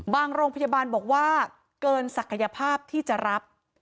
โรงพยาบาลบอกว่าเกินศักยภาพที่จะรับ